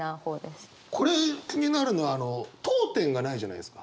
これ気になるのは読点がないじゃないですか。